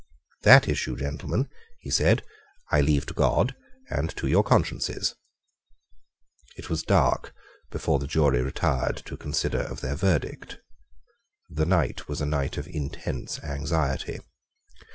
"That issue, gentlemen," he said, "I leave to God and to your consciences." It was dark before the jury retired to consider of their verdict. The night was a night of intense anxiety.